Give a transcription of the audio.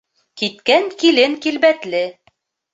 Киткән килен килбәтле.